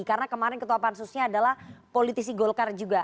karena kemarin ketua pansusnya adalah politisi golkar juga